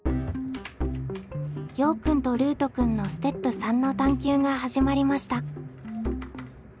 ようくんとルートくんのステップ３の探究が始まりました。